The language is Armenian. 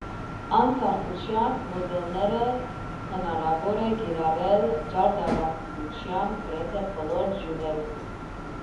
Անսարքության մոդելները հնարավոր է կիրառել ճարտարագիտության գրեթե բոլոր ճյուղերում։